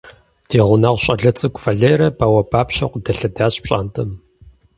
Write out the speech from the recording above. Ди гъунэгъу щӀалэ цӀыкӀу Валерэ бауэбапщэу къыдэлъэдащ пщӀантӀэм.